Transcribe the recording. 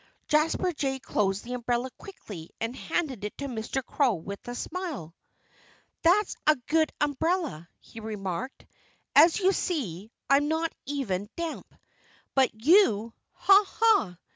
Jasper Jay closed the umbrella quickly and handed it to Mr. Crow with a smile. "That's a good umbrella," he remarked. "As you see, I'm not even damp. But you ha! ha!